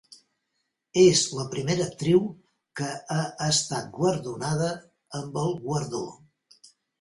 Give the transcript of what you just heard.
És la primera actriu que ha estat guardonada amb el guardó.